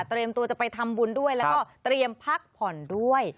ตัวจะไปทำบุญด้วยแล้วก็เตรียมพักผ่อนด้วย